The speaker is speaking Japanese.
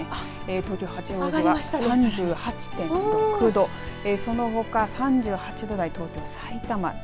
東京八王子は３８．６度そのほか３８度台、東京、埼玉。